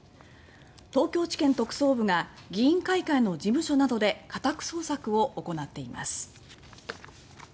東京地検特捜部が議員会館の事務所などで家宅捜索を行っています。